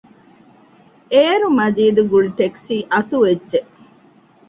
އޭރު މަޖީދު ގުޅި ޓެކްސީ އަތުވެއްޖެ